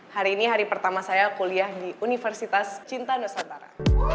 hari ini hari pertama saya kuliah di universitas cinta nusantara